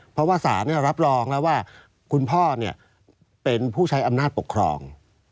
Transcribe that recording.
เพราะว่าสารรับรองแล้วว่าคุณพ่อเป็นผู้ใช้อำนาจปกครอง